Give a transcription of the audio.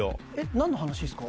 何の話ですか？